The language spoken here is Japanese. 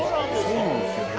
そうなんですよ。